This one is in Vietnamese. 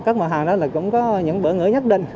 các mặt hàng đó là cũng có những bỡ ngỡ nhất định